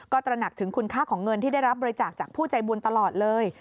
ก็ตระหนักถึงคุณค่าของเงินที่ได้รับบริจาคจากผู้ใจบุญตลอดเลย